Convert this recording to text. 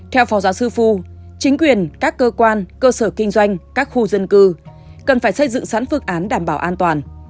theo phó giáo sư phu chính quyền các cơ quan cơ sở kinh doanh các khu dân cư cần phải xây dựng sẵn phương án đảm bảo an toàn